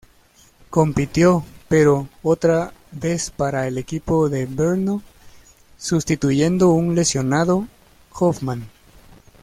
Compitió, pero, otra vez para el equipo en Brno sustituyendo un lesionado Hofmann.